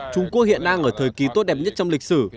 trung quốc hiện đang ở thời kỳ tốt đẹp nhất trong lịch sử